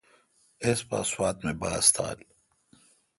ایس یا سوات می باس تھال۔